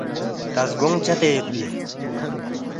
تا زگونگ چدے یودپی